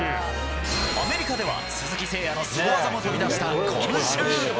アメリカでは鈴木誠也のスゴ技も飛び出した今週。